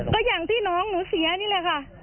ก็อย่างที่น้องหนูเสียนี่แหละค่ะ